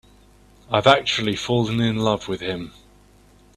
I've actually fallen in love with him.